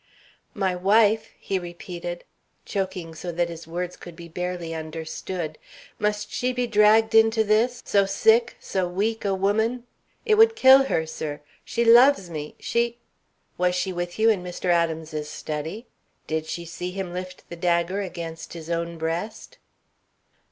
"My wife!" he repeated, choking so that his words could be barely understood. "Must she be dragged into this so sick, so weak a woman? It would kill her, sir. She loves me she " "Was she with you in Mr. Adams's study? Did she see him lift the dagger against his own breast?"